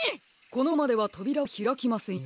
このままではとびらはひらきませんよ。